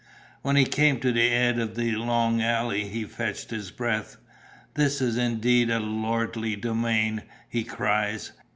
When he came to the 'ead of the long alley, he fetched his breath. 'This is indeed a lordly domain!' he cries.